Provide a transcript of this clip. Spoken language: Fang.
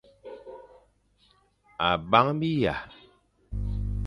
A bang biya.